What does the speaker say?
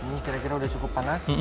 ini kira kira udah cukup panas